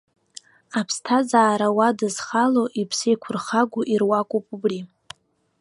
Аԥсҭазаара уадызхало, иԥсеиқәырхагоу ируакуп убри.